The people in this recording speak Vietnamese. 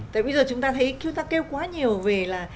tại bây giờ chúng ta thấy chúng ta kêu quá nhiều về là